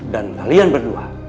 dan kalian berdua